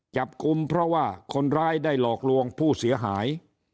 จับกลุ่มเพราะว่าคนร้ายได้หลอกลวงผู้เสียหาย